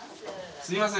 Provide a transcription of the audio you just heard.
すみません